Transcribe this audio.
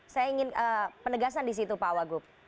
saya ingin penegasan disitu pak wagu